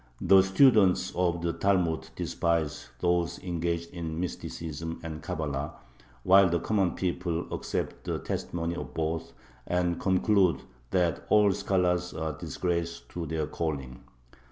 The students of the Talmud despise those engaged in mysticism and Cabala, while the common people accept the testimony of both, and conclude that all scholars are a disgrace to their calling....